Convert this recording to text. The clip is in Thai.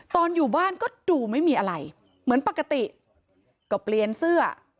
ตอนอยู่บ้านก็ดูไม่มีอะไรเหมือนปกติก็เปลี่ยนเสื้อ